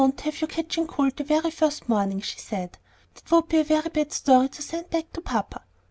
"] "We won't have you catching cold the very first morning," she said. "That would be a bad story to send back to papa."